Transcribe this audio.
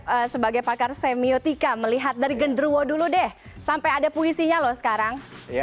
saya sebagai pakar semiotika melihat dari gendruwo dulu deh sampai ada puisinya loh sekarang